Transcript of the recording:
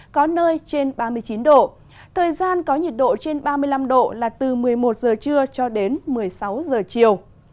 có nơi trên ba mươi chín độ thời gian có nhiệt độ trên ba mươi năm độ là từ một mươi một giờ trưa cho đến một mươi sáu giờ chiều